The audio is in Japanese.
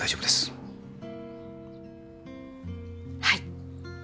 はい。